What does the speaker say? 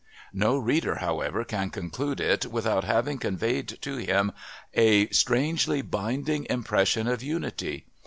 No reader however, can conclude it without having conveyed to him a strangely binding impression of Unity.